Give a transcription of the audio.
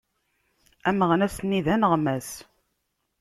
Ameɣnas-nni d aneɣmas.